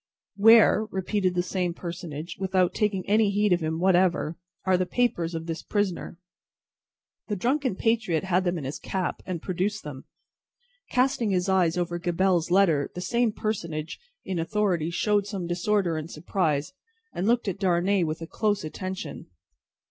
"Where," repeated the same personage, without taking any heed of him whatever, "are the papers of this prisoner?" The drunken patriot had them in his cap, and produced them. Casting his eyes over Gabelle's letter, the same personage in authority showed some disorder and surprise, and looked at Darnay with a close attention.